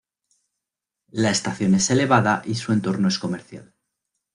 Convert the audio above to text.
La estación es elevada y su entorno es comercial.